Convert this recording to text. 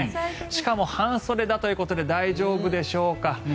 しかも半袖だということで大丈夫でしょうか。